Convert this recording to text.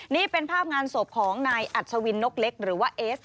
นี่เป็นภาพงานศพของนายอัศวินนกเล็กหรือว่าเอส